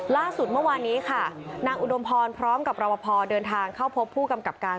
ล่าสุดเมื่อวานนี้ค่ะนางอุดมพรพร้อมกับรอปภเดินทางเข้าพบผู้กำกับการ